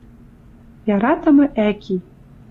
«Яратымы ӓки